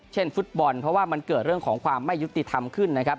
ฟุตบอลเพราะว่ามันเกิดเรื่องของความไม่ยุติธรรมขึ้นนะครับ